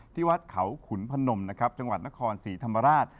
ที่วัดเขาขุนพนมนะครับจังหวัดนครศรีธรรมราช